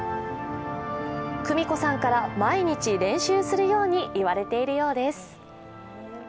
久美子さんから毎日練習するように言われているようです。